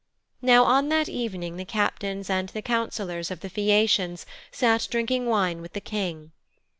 Now on that evening the Captains and the Councillors of the Phæacians sat drinking wine with the King.